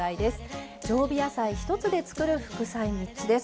常備野菜１つでつくる副菜３つです。